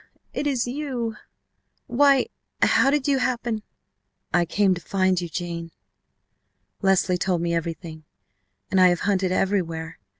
It is you! Why how did you happen ?" "I came to find you, Jane. Leslie told me everything and I have hunted everywhere.